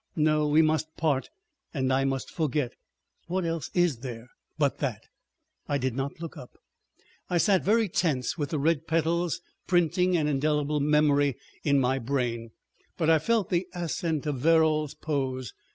No! We must part and I must forget. What else is there but that?" I did not look up, I sat very tense with the red petals printing an indelible memory in my brain, but I felt the assent of Verrall's pose.